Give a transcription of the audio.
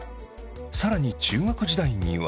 さらに中学時代には。